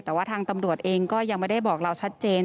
แต่ว่าทางตำรวจเองก็ยังไม่ได้บอกเราชัดเจน